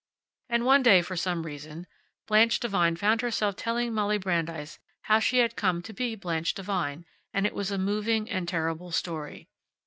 And one day, for some reason, Blanche Devine found herself telling Molly Brandeis how she had come to be Blanche Devine, and it was a moving and terrible story.